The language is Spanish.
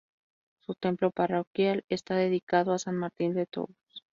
Su templo parroquial está dedicado a San Martín de Tours.